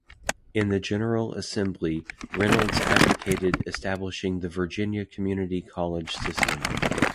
In the General Assembly, Reynolds advocated establishing the Virginia Community College System.